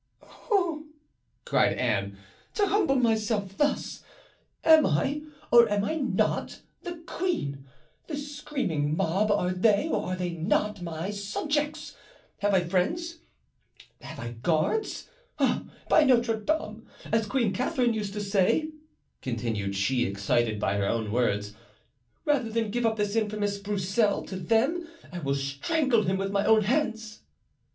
"Oh!" cried Anne, "to humble myself thus! Am I, or am I not, the queen? This screaming mob, are they, or are they not, my subjects? Have I friends? Have I guards? Ah! by Notre Dame! as Queen Catherine used to say," continued she, excited by her own words, "rather than give up this infamous Broussel to them I will strangle him with my own hands!"